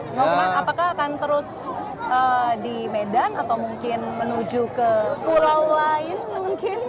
nyoman apakah akan terus di medan atau mungkin menuju ke pulau lain mungkin